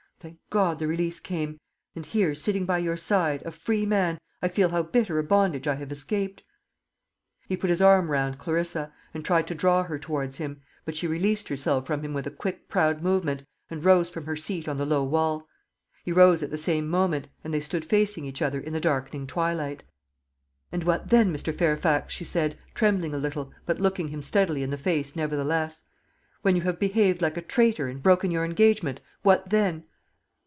Thank God, the release came; and here, sitting by your side, a free man, I feel how bitter a bondage I have escaped." He put his arm round Clarissa, and tried to draw her towards him; but she released herself from him with a quick proud movement, and rose from her seat on the low wall. He rose at the same moment, and they stood facing each other in the darkening twilight. "And what then, Mr. Fairfax?" she said, trembling a little, but looking him steadily in the face nevertheless. "When you have behaved like a traitor, and broken your engagement, what then?"